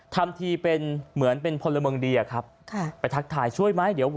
ทำทีเป็นเหมือนเป็นพลเมืองเดียครับไปทักทายช่วยไหม